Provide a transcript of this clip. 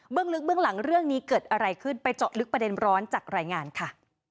ลึกเบื้องหลังเรื่องนี้เกิดอะไรขึ้นไปเจาะลึกประเด็นร้อนจากรายงานค่ะ